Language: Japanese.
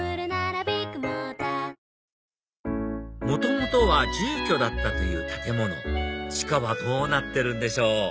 元々は住居だったという建物地下はどうなってるんでしょう？